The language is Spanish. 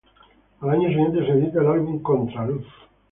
Al año siguiente se edita el álbum "Contraluz".